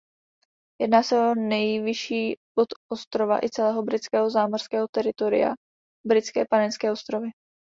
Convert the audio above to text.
Jedná se o nejvyšší bod ostrova i celého britského zámořského teritoria Britské Panenské ostrovy.